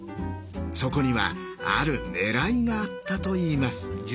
そこにはあるねらいがあったといいます。